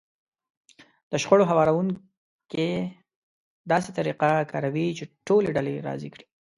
د شخړو هواروونکی داسې طريقه کاروي چې ټولې ډلې راضي کړي.